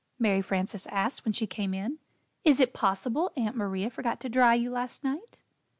Mary Frances asked when she came in. "Is it possible Aunt Maria forgot to dry you last night?"